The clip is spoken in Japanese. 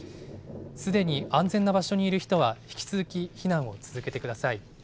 すでに安全な場所にいる人は、引き続き避難を続けてください。